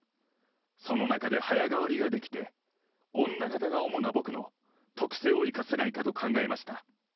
その中で早替わりができて、女形が主な僕の特性を生かせないかと考えました。